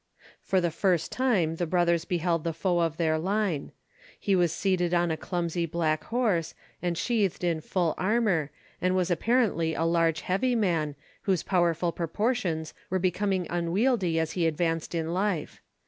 For the first time, the brothers beheld the foe of their line. He was seated on a clumsy black horse, and sheathed in full armour, and was apparently a large heavy man, whose powerful proportions were becoming unwieldy as he advanced in life.